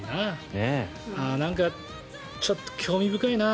なんか、ちょっと興味深いな。